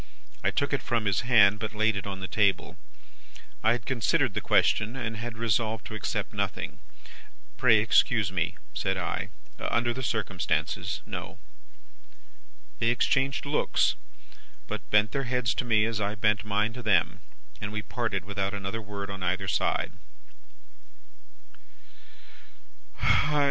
I took it from his hand, but laid it on the table. I had considered the question, and had resolved to accept nothing. "'Pray excuse me,' said I. 'Under the circumstances, no.' "They exchanged looks, but bent their heads to me as I bent mine to them, and we parted without another word on either side.